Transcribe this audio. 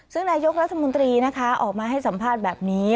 ซึ่งนายกรัฐมนตรีนะคะออกมาให้สัมภาษณ์แบบนี้